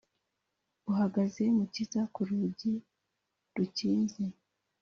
Uhagaze mukiza ku rugi rukinze?